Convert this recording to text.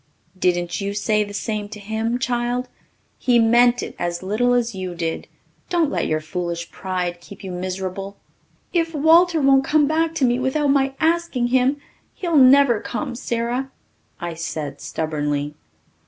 "Didn't you say the same to him, child? He meant it as little as you did. Don't let your foolish pride keep you miserable." "If Walter won't come back to me without my asking him he'll never come, Sara," I said stubbornly.